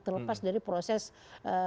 terlepas dari proses penanganan